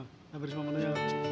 hampir semua manis